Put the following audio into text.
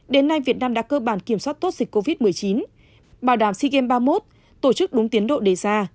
đến nay việt nam đã cơ bản kiểm soát tốt dịch covid một mươi chín bảo đảm sea games ba mươi một tổ chức đúng tiến độ đề ra